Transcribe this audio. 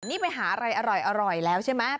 นี่ไปหาอะไรอร่อยแล้วใช่ไหม